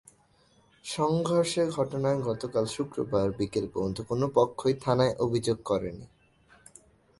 সংঘর্ষের ঘটনায় গতকাল শুক্রবার বিকেল পর্যন্ত কোনো পক্ষই থানায় অভিযোগ করেনি।